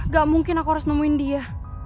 gak mungkin aku harus nemuin dia